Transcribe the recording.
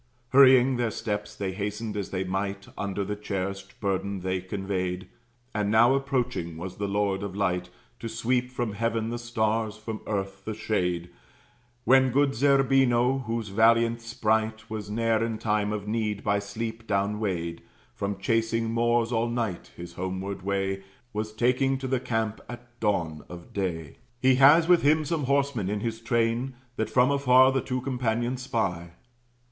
Hurrying their steps, they hastened, as they might, Under the cherished burden they conveyed; And now approaching was the lord of light, To sweep from heaven the stars, from earth the shade, When good Zerbino, he whose valiant sprite Was ne'er in time of need by sleep down weighed, From chasing Moors all night, his homeward way Was taking to the camp at dawn of day. He has with him some horsemen in his train, That from afar the two companions spy.